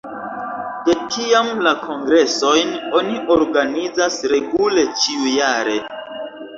De tiam la kongresojn oni organizas regule ĉiujare.